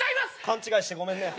勘違いしてごめんね。